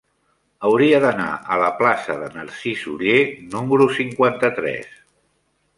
Hauria d'anar a la plaça de Narcís Oller número cinquanta-tres.